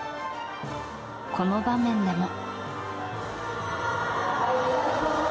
この場面でも。